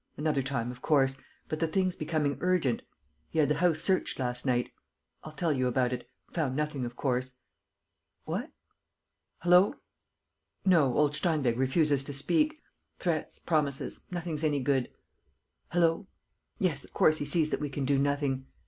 ... Another time, of course; but the thing's becoming urgent. ... He had the house searched last night. ... I'll tell you about it. ... Found nothing, of course. ... What? ... Hullo! ... No, old Steinweg refuses to speak. ... Threats, promises, nothing's any good. ... Hullo! ... Yes, of course, he sees that we can do nothing.